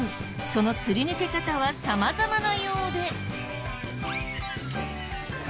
そのすり抜け方は様々なようで。